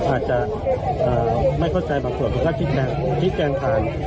อาจจะเอ่อไม่เข้าใจบางส่วนเขาก็คิดแปลงคิดแปลงผ่าน